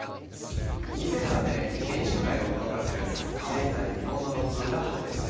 ２００３年建築界を驚かせる前代未聞の論文が発表された。